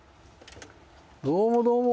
どうもどうも。